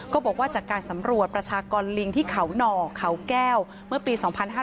บอกว่าจากการสำรวจประชากรลิงที่เขาหน่อเขาแก้วเมื่อปี๒๕๕๙